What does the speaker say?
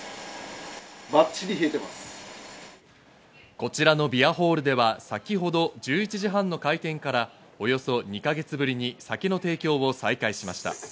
こちらのビアホールでは先ほど１１時半の開店から、およそ２か月ぶりに酒の提供を再開しました。